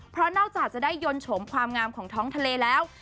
เพราะนอกจากจะได้ยนต์โฉมความงามของท้องทะเลแล้ว